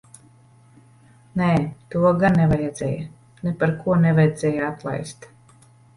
Nē, to gan nevajadzēja. Neparko nevajadzēja atlaist.